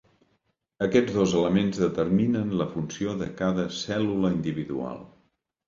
Aquests dos elements determinen la funció de cada cèl·lula individual.